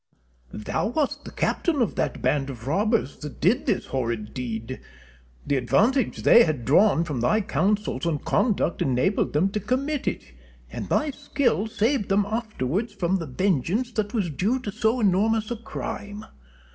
Penn. Thou wast the captain of that band of robbers who did this horrid deed. The advantage they had drawn from thy counsels and conduct enabled them to commit it; and thy skill saved them afterwards from the vengeance that was due to so enormous a crime.